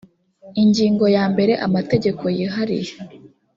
ingingo ya mbere amategeko yihariye